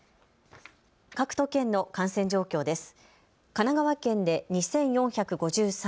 各都県の感染状況です。